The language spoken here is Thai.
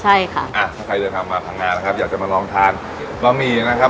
ใช่ค่ะอ่ะถ้าใครเดินทางมาพังงานะครับอยากจะมาลองทานบะหมี่นะครับ